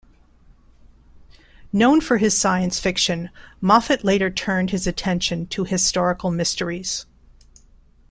Known for his science fiction, Moffitt later turned his attention to historical mysteries.